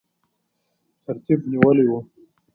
ترتیب نیولی وو.